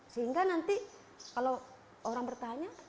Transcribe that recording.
sehingga nanti kalau orang bertanya